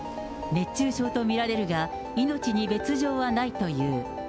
熱中症と見られるが、命に別状はないという。